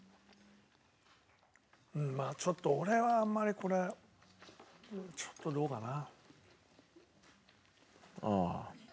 うんまあちょっと俺はあんまりこれちょっとどうかな。